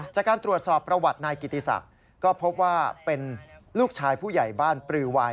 จากการตรวจสอบประวัตินายกิติศักดิ์ก็พบว่าเป็นลูกชายผู้ใหญ่บ้านปลือวาย